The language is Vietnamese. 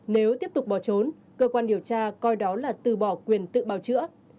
nếu tiếp tục bỏ trốn cơ quan điều tra coi đó là từ bỏ quyền tự bào chữa